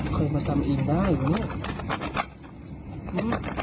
เคยมาทำอีนได้วะเนี่ย